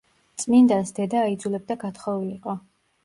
წმინდანს დედა აიძულებდა გათხოვილიყო.